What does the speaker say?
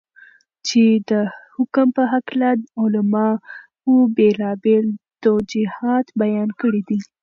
چې دحكم په هكله علماؤ بيلابيل توجيهات بيان كړي دي.